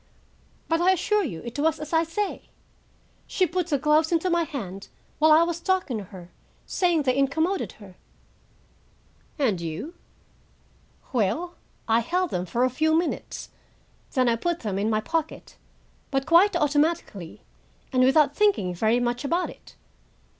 But I assure you it was as I say. She put the gloves into my hand while I was talking to her, saying they incommoded her." "And you?" "Well, I held them for a few minutes, then I put them in my pocket, but quite automatically, and without thinking very much about it.